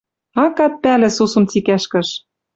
Акат пӓлӹ, сусум цикӓш кыш.